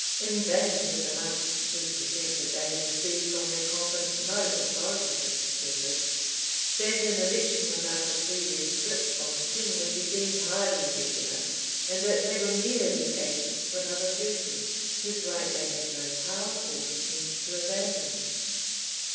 ] In vain did the monks represent, that they had received from their convent no authority for this purpose; that an election without a previous writ from the king, would be deemed highly irregular and that they were merely agents for another person, whose right they had no power or pretence to abandon.